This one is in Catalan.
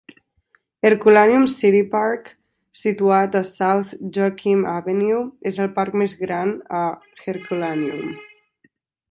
Herculaneum City Park, situat a South Joachim Avenue, és el parc més gran a Herculaneum.